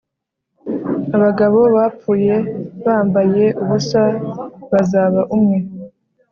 abagabo bapfuye bambaye ubusa bazaba umwe